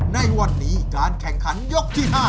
ในวันนี้การแข่งขันยกที่๕